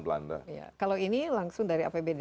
belanda ya kalau ini langsung dari apbd